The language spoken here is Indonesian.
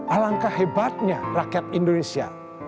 alangkah hebatnya rakyat indonesia